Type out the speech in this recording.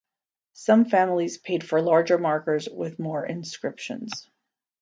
Some families paid for larger markers with more inscriptions.